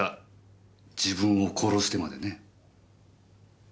自分を殺してまでね。